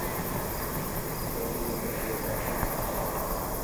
کرنیزې ځمکې له ګواښونو سره مخ دي.